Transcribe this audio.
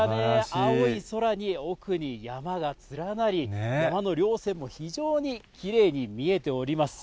青い空に、奥に山が連なり、山のりょう線も非常にきれいに見えております。